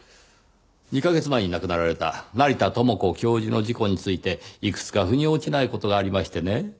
２カ月前に亡くなられた成田知子教授の事故についていくつか腑に落ちない事がありましてねぇ。